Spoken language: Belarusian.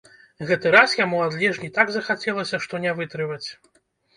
Гэты раз яму ад лежні так захацелася, што не вытрываць.